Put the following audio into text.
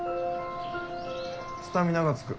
スタミナがつく。